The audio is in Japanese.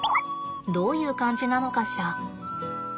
どういう感じなのかしら。